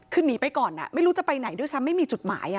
คือหนีไปก่อนไม่รู้จะไปไหนด้วยซ้ำไม่มีจุดหมาย